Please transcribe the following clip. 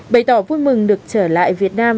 bày tỏ vui mừng được trở lại việt nam